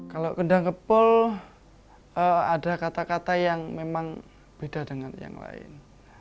kalau kendang kepul ada kata kata yang memang beda dengan yang lain